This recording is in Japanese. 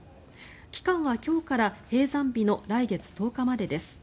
期間は今日から閉山日の来月１０日までです。